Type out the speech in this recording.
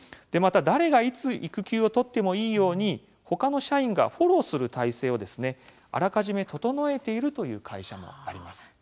また、誰がいつ育休を取ってもいいようにほかの社員がフォローする体制をあらかじめ整えているという会社もあります。